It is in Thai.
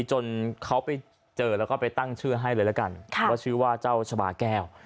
จนเขาไปเจอแล้วก็ไปตั้งชื่อให้เลยละกันว่าชื่อว่าเจ้าชะบาแก้ว